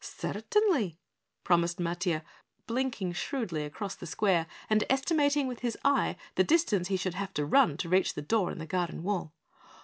"Certainly," promised Matiah, blinking shrewdly across the square and estimating with his eye the distance he should have to run to reach the door in the garden wall.